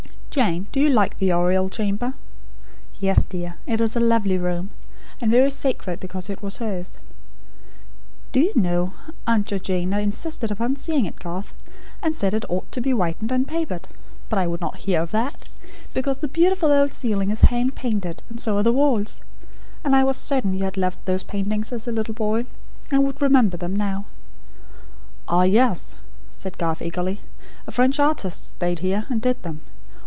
Jane, do you like the Oriel chamber?" "Yes, dear. It is a lovely room; and very sacred because it was hers. Do you know, Aunt Georgina insisted upon seeing it, Garth; and said it ought to be whitened and papered. But I would not hear of that; because the beautiful old ceiling is hand painted, and so are the walls; and I was certain you had loved those paintings, as a little boy; and would remember them now." "Ah, yes," said Garth, eagerly. "A French artist stayed here, and did them.